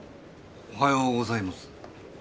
おはようございます。